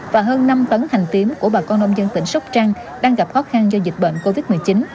và hơn năm tấn hành tím của bà con nông dân tỉnh sóc trăng đang gặp khó khăn do dịch bệnh covid một mươi chín